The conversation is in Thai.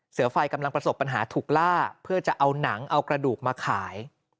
เสือไฟกำลังประสบปัญหาถูกล่าเพื่อจะเอาหนังเอากระดูกมาขาย